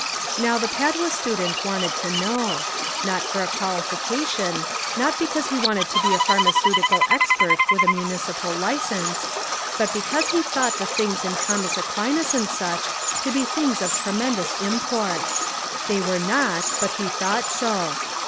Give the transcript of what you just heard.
Now the Padua student wanted to know: not for a qualification, not because he wanted to be a pharmaceutical ex pert with a municipal licence, but because he thought the things in Thomas Aquinas and such to be things of tremendous import. They were not; but he thought so.